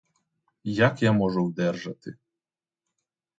Як я можу вдержати?